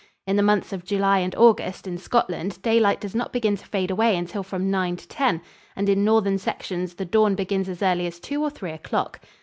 In the months of July and August in Scotland daylight does not begin to fade away until from nine to ten, and in northern sections the dawn begins as early as two or three o'clock.